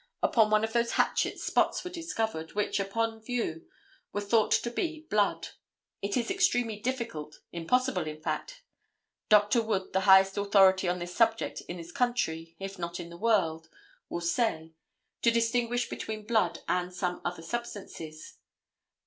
Upon one of those hatchets spots were discovered, which, upon view, were thought to be blood. It is extremely difficult, impossible, in fact, Dr. Wood, the highest authority on this subject in this country, if not in the world, will say, to distinguish between blood and some other substances.